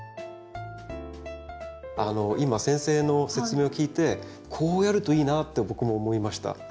今先生の説明を聞いてこうやるといいなって僕も思いました。